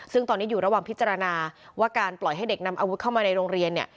ซึ่งตอนนี้อยู่ระหว่างพิจารณาว่าการปล่อยให้เด็กนำอาวุธเข้ามาในโรงเรียนเนี่ย